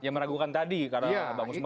ya meragukan tadi karena bang usman